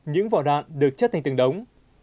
những vỏ đạn được chất thành tường đống